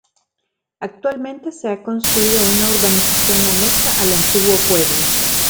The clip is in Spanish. Actualmente se ha construido una urbanización anexa al antiguo pueblo.